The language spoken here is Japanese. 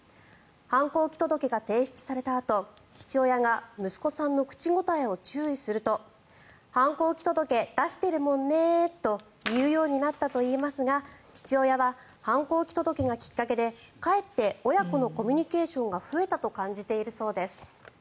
反抗期届が提出されたあと父親が息子さんの口答えを注意すると反抗期届出してるもんねと言うようになったといいますが父親は反抗期届がきっかけでかえって親子のコミュニケーションが増えたと感じているそうです。